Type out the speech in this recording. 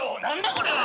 これは！